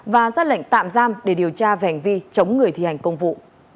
và ra lệnh tạm giam để điều tra vẻnh vi chống người thi hành công vụ